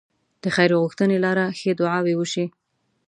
د خير غوښتنې لاره ښې دعاوې وشي.